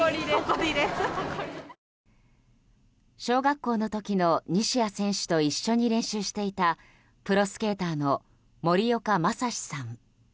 小学校の時の西矢選手と一緒に練習していたプロスケーターの森岡正治さん。